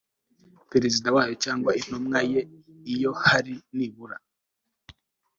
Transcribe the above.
perezida wayo cyangwa intumwa ye iyo hari nibura